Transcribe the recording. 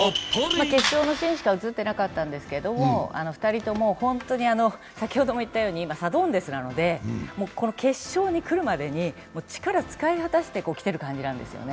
決勝のシーンしか映ってなかったですけど２人とも本当に、先ほども言ったように今、サドンデスなので、この決勝に来るまでに力を使い果たして来るんですよね。